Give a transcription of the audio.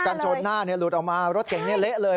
ชนหน้าหลุดออกมารถเก่งนี้เละเลย